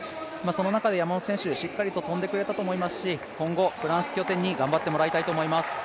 その中で山本選手、しっかりと跳んでくれたと思いますし今後、フランスを拠点に頑張ってもらいたいと思います。